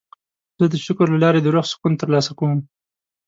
زه د شکر له لارې د روح سکون ترلاسه کوم.